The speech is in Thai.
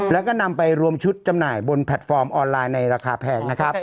แล้วก็นำไปรวมชุดจำหน่ายบนแพลตฟอร์มออนไลน์ในราคาแพงนะครับ